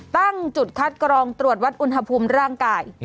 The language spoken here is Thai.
ตั้งจุดคัดกรองตรวจวัดอุณหภูมิร่างกาย